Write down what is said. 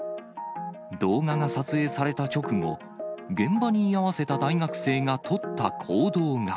動画が撮影された直後、現場に居合わせた大学生が取った行動が。